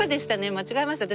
間違えました私。